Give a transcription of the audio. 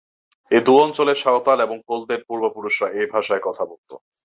এ দু অঞ্চলের সাঁওতাল ও কোলদের পূর্বপুরুষরা এ ভাষায় কথা বলত।